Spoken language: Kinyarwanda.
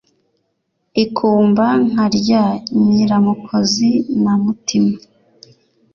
i kumba-nka rya nyiramukozi na mutima,